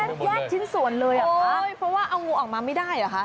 แยกชิ้นส่วนเลยอ่ะเพราะว่าเอางูออกมาไม่ได้เหรอคะ